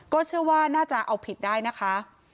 เชื่อว่าน่าจะเอาผิดได้นะคะ